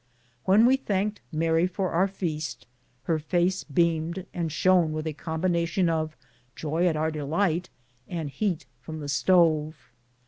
When we 16 BOOTS AND SADDLES. thanked Mary for our feast, her face beamed and shone with a combination of joy at our delight and heat from the stove.